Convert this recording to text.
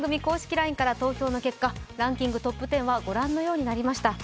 ＬＩＮＥから投票の結果、ランキングトップ１０はご覧のようになりました。